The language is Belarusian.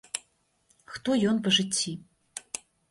Хто ён па жыцці.